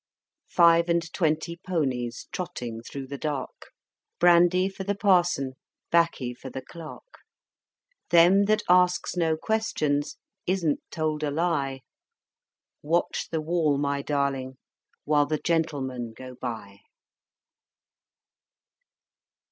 Five and twenty ponies, Trotting through the dark, Brandy for the Parson, 'Baccy for the Clerk; Them that asks no questions isn't told a lie, Watch the wall, my darling, while the Gentlemen bo by!